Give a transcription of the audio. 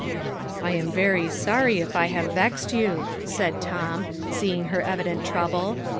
"I am very sorry if I have vexed you," said Tom, seeing her evident trouble.